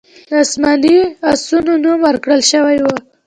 د اسماني آسونو نوم ورکړل شوی و